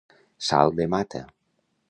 Salt de mata.